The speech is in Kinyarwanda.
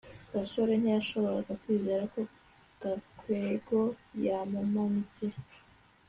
gasore ntiyashoboraga kwizera ko gakwego yamumanitse